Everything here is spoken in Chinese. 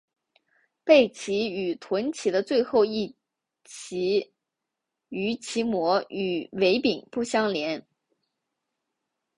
背鳍与臀鳍的最后一鳍条鳍膜与尾柄不相连。